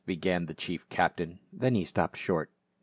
began the chief captain, then he stopped short.